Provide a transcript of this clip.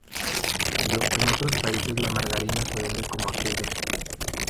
En cambio, en otros países la margarina se vende como aquella.